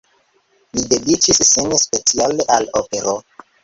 Li dediĉis sin speciale al opero.